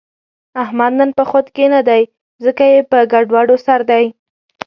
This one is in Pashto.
احمد نن په خود کې نه دی، ځکه یې په ګډوډو سر دی.